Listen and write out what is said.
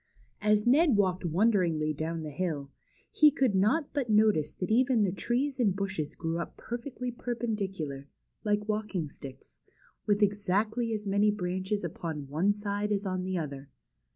As Ned walked wonderingly on down the hill, he could not but notice that even the trees and bushes grew up per fectly perpendicular, like walking sticks, with exactly as many branches upon one side as on the other.